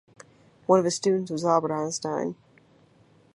One of his students was Albert Einstein.